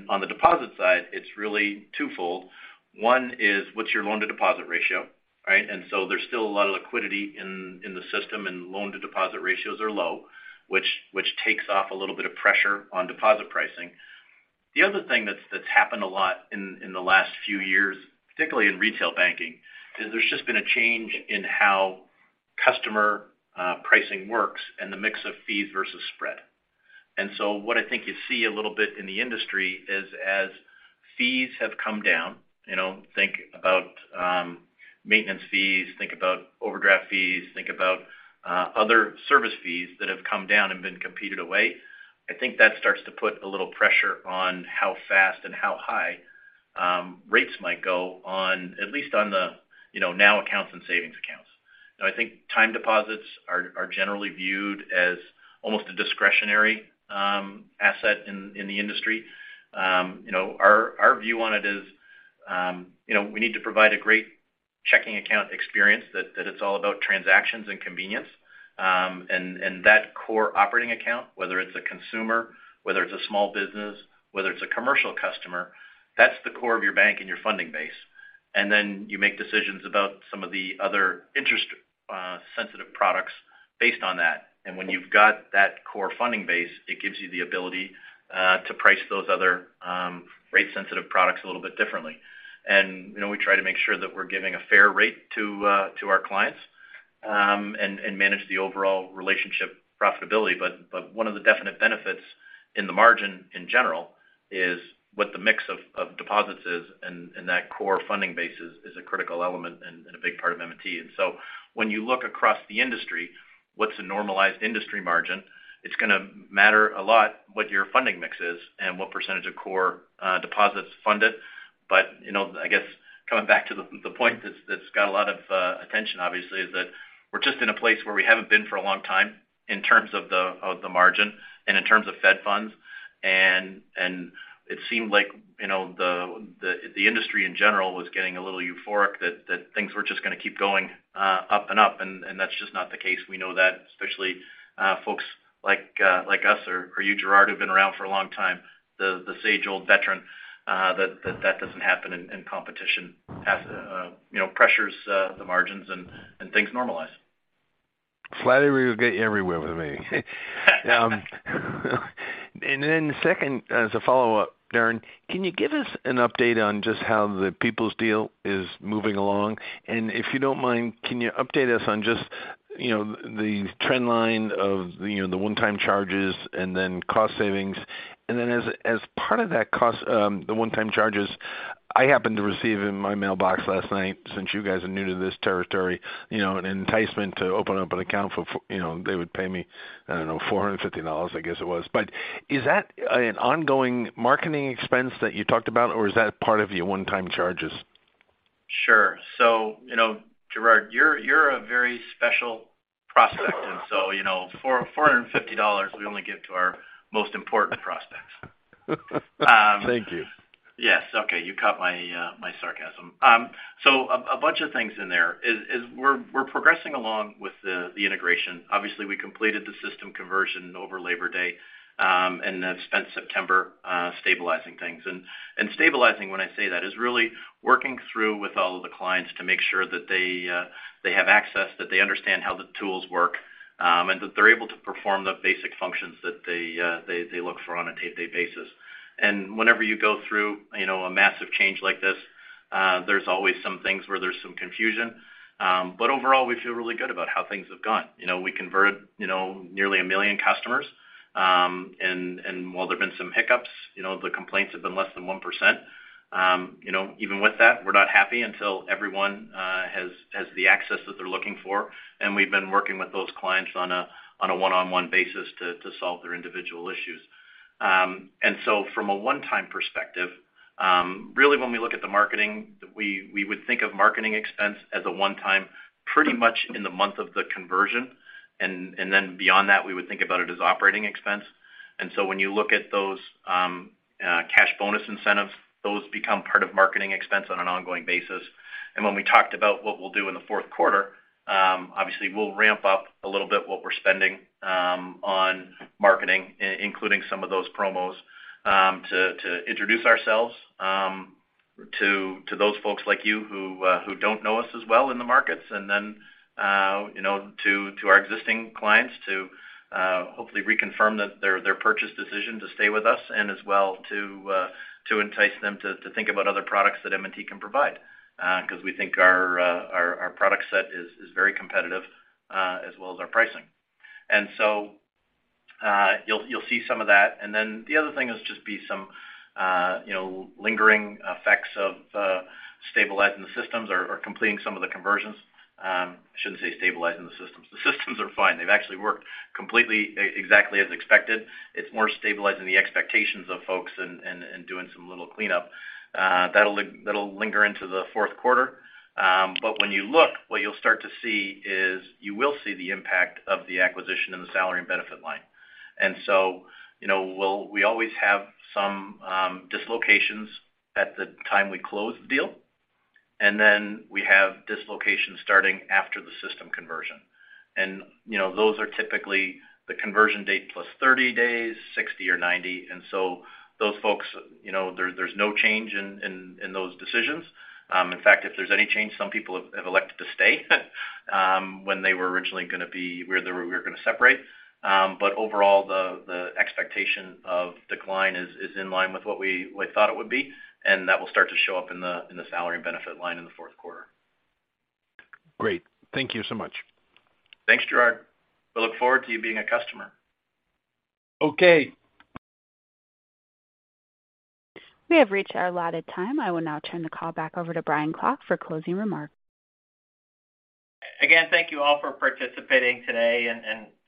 On the deposit side, it's really twofold. One is what's your loan to deposit ratio, right? There's still a lot of liquidity in the system, and loan to deposit ratios are low, which takes off a little bit of pressure on deposit pricing. The other thing that's happened a lot in the last few years, particularly in retail banking, is there's just been a change in how customer pricing works and the mix of fees versus spread. What I think you see a little bit in the industry is as fees have come down, you know, think about maintenance fees, think about overdraft fees, think about other service fees that have come down and been competed away. I think that starts to put a little pressure on how fast and how high rates might go on, at least on the, you know, NOW accounts and savings accounts. Now, I think time deposits are generally viewed as almost a discretionary asset in the industry. You know, our view on it is, you know, we need to provide a great checking account experience that it's all about transactions and convenience. That core operating account, whether it's a consumer, whether it's a small business, whether it's a commercial customer, that's the core of your bank and your funding base. Then you make decisions about some of the other interest sensitive products based on that. When you've got that core funding base, it gives you the ability to price those other rate-sensitive products a little bit differently. You know, we try to make sure that we're giving a fair rate to our clients and manage the overall relationship profitability. One of the definite benefits in the margin in general is what the mix of deposits is, and that core funding base is a critical element and a big part of M&T. When you look across the industry, what's a normalized industry margin? It's gonna matter a lot what your funding mix is and what percentage of core deposits funded. You know, I guess coming back to the point that's got a lot of attention obviously is that we're just in a place where we haven't been for a long time in terms of the margin and in terms of Fed funds. It seemed like, you know, the industry in general was getting a little euphoric that things were just gonna keep going up and up, and that's just not the case. We know that especially folks like us or you, Gerard, who've been around for a long time, the sage old veteran, that doesn't happen in competition as you know pressures the margins and things normalize. Flattery will get you everywhere with me. Second, as a follow-up, Darren, can you give us an update on just how the People's United deal is moving along? If you don't mind, can you update us on just, you know, the trend line of, you know, the one-time charges and then cost savings. As part of that cost, the one-time charges, I happened to receive in my mailbox last night, since you guys are new to this territory, you know, an enticement to open up an account for, you know, they would pay me, I don't know, $450, I guess it was. But is that an ongoing marketing expense that you talked about, or is that part of your one-time charges? Sure. You know, Gerard, you're a very special prospect. You know, $450, we only give to our most important prospects. Thank you. Yes. Okay, you caught my sarcasm. A bunch of things in there is we're progressing along with the integration. Obviously, we completed the system conversion over Labor Day and then spent September stabilizing things. Stabilizing, when I say that, is really working through with all of the clients to make sure that they have access, that they understand how the tools work, and that they're able to perform the basic functions that they look for on a day-to-day basis. Whenever you go through, you know, a massive change like this, there's always some things where there's some confusion. But overall, we feel really good about how things have gone. You know, we converted nearly a million customers. While there have been some hiccups, you know, the complaints have been less than 1%. You know, even with that, we're not happy until everyone has the access that they're looking for. We've been working with those clients on a one-on-one basis to solve their individual issues. From a one-time perspective, really when we look at the marketing, we would think of marketing expense as a one-time pretty much in the month of the conversion. Then beyond that, we would think about it as operating expense. When you look at those cash bonus incentives, those become part of marketing expense on an ongoing basis. When we talked about what we'll do in the fourth quarter, obviously we'll ramp up a little bit what we're spending on marketing, including some of those promos, to introduce ourselves to those folks like you who don't know us as well in the markets. Then, you know, to our existing clients to hopefully reconfirm that their purchase decision to stay with us and as well to entice them to think about other products that M&T can provide, because we think our product set is very competitive as well as our pricing. So, you'll see some of that. Then the other thing is just some, you know, lingering effects of stabilizing the systems or completing some of the conversions. I shouldn't say stabilizing the systems. The systems are fine. They've actually worked completely exactly as expected. It's more stabilizing the expectations of folks and doing some little cleanup. That'll linger into the fourth quarter. When you look, what you'll start to see is you will see the impact of the acquisition in the salary and benefit line. You know, we always have some dislocations at the time we close the deal. We have dislocations starting after the system conversion. You know, those are typically the conversion date plus 30 days, 60 or 90. Those folks, you know, there's no change in those decisions. In fact, if there's any change, some people have elected to stay when they were originally gonna separate. Overall, the expectation of decline is in line with what we thought it would be, and that will start to show up in the salary and benefit line in the fourth quarter. Great. Thank you so much. Thanks, Gerard. We look forward to you being a customer. Okay. We have reached our allotted time. I will now turn the call back over to Brian Klock for closing remarks. Again, thank you all for participating today.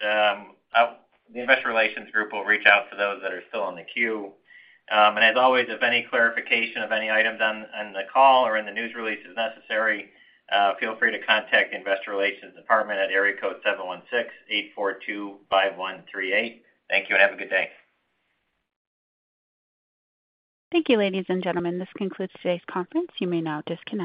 The investor relations group will reach out to those that are still on the queue. As always, if any clarification of any items on the call or in the news release is necessary, feel free to contact Investor Relations Department at area code 716-842-5138. Thank you, and have a good day. Thank you, ladies and gentlemen. This concludes today's conference. You may now disconnect.